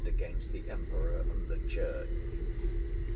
against the Emperor and the Church.